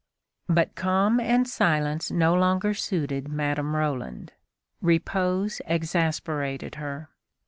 But calm and silence no longer suited Madame Roland. Repose exasperated her.